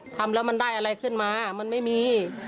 ทำแล้วมันได้อะไรขึ้นมามันไม่มี